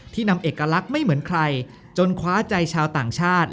นำเอกลักษณ์ไม่เหมือนใครจนคว้าใจชาวต่างชาติ